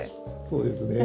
そうですね。